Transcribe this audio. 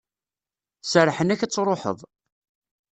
Serrḥen-ak ad truḥeḍ.